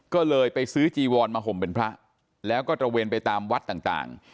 ก็เลยไปซื้อจีวอนมาห่มเป็นพระแล้วก็ตระเวนไปตามวัดต่าง